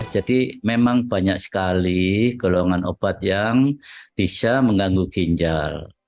jadi memang banyak sekali gelongan obat yang bisa mengganggu ginjal